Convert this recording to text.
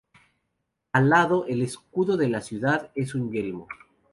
Al lado el escudo de la ciudad es un yelmo.